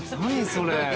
それ。